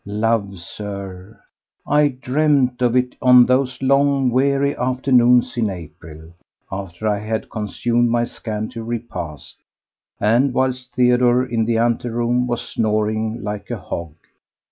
Love, Sir! I dreamed of it on those long, weary afternoons in April, after I had consumed my scanty repast, and whilst Theodore in the anteroom was snoring like a hog.